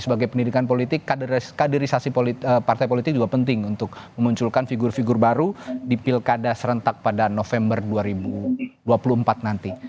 sebagai pendidikan politik kaderisasi partai politik juga penting untuk memunculkan figur figur baru di pilkada serentak pada november dua ribu dua puluh empat nanti